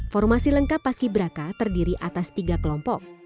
formasi lengkap paski beraka terdiri atas tiga kelompok